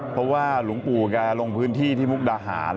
เพราะว่าหลวงปู่แกลงพื้นที่ที่มุกดาหาร